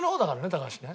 高橋ね。